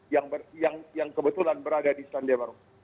yang kebetulan berada di selandia baru